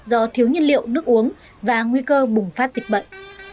do thiếu nhiên liệu nước uống và nguy cơ bùng phát dịch bệnh